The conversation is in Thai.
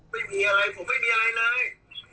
ไม่มีอะไรผมไม่มีอะไรเลย